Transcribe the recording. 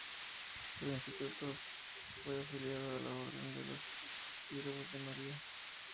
El instituto fue afiliado a la Orden de los Siervos de María.